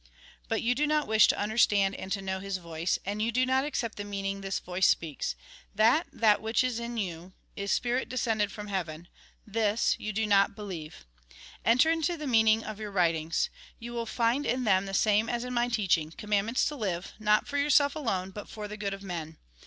" But you do not wish to understand and to know His voice. And you do not accept the Jn. THE TRUE LIFE 65 Jn. .39. 40. you, IS do not Lk. xix. 11. this voice speaks. That that which is in spirit descended from heaven, — this, you beheve. " Enter into the meaning of your writings. You will find in them the same as in my teaching, com mandments to live, not for yourself alone, but for the good of men.